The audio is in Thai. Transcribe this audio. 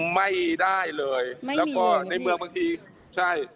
ไม่ได้เลยแล้วก็ในเมืองบางทีใช่